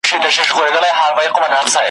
نه « هینداره » چي مو شپې کړو ورته سپیني ,